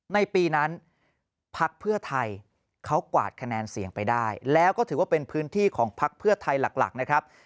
ในปีนั้นพักเพื่อไทยเขากวาดคะแนนเสียงไปได้แล้วก็ถือว่าเป็นพื้นที่ของพักเพื่อไทยหลักนะครับ